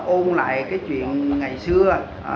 ôn lại cái chuyện ngày xưa